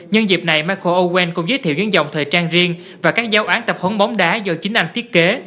nhân dịp này michael owen cũng giới thiệu những dòng thời trang riêng và các giao án tập hốn bóng đá do chính anh thiết kế